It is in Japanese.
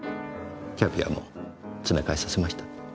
キャビアも詰め替えさせました？